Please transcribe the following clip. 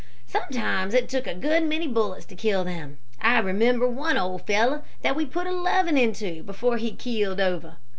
"Sometimes it took a good many bullets to kill them. I remember one old fellow that we put eleven into, before he keeled over.